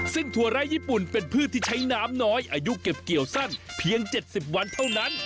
ซึ่งถั่วไร้ญี่ปุ่นเป็นพืชที่ใช้น้ำน้อยอายุเก็บเกี่ยวสั้นเพียง๗๐วันเท่านั้น